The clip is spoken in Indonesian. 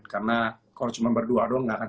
karena kalau cuma berdua doang gak akan